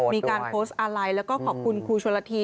มีการโพสต์อาลัยแล้วก็ขอบคุณครูชนละที